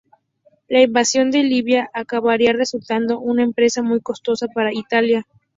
La invasión de Libia acabaría resultando una empresa muy costosa para Italia.